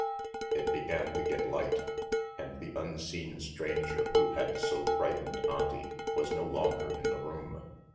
It began to get light, and the unseen stranger who had so frightened Auntie was no longer in the room.